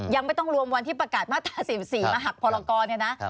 ยังไม่ต้องรวมวันที่ประกาศมาตรา๔๔มาหักพรกรเนี่ยนะ